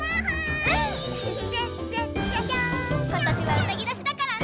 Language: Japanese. ことしはうさぎどしだからね。